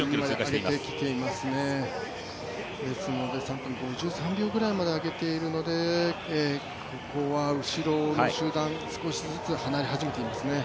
ですので、３分５３秒ぐらいまで上げているのでここは後ろの集団、少しずつ離れてきていますね。